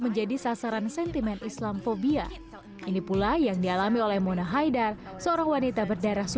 menjadi sasaran sentimen islamfobia ini pula yang dialami oleh mona haidar seorang wanita berdarah